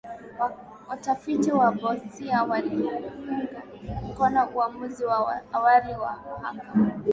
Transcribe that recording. watafiti wa bosnia waliuunga mkono uamuzi wa awali wa mahakama